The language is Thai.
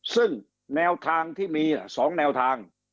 ซึ่งแนวทางที่มี๒แนวทาง